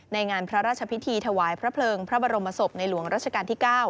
ในงานพระราชพิธีถวายพระเพลิงพระบรมศพในหลวงราชการที่๙